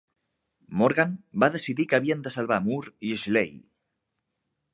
Morgan va decidir que havien de salvar Moore i Schley.